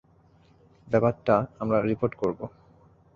ব্যাপারটা আমরা রিপোর্ট করবো।